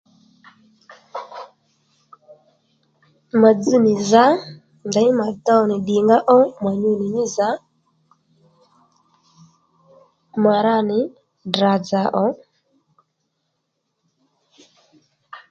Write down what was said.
Mà dzz nì zǎ ndèymí mà dow nì ddìnga ó mà ri nì mí zǎ mà ra nì Ddrà-dzà ò